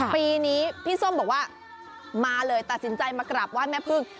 ปีนี้พี่ส้มบอกว่ามาเลยตัดสินใจมากราบไหว้แม่พึ่ง